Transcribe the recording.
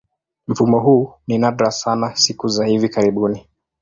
Mfumo huu ni nadra sana siku za hivi karibuni.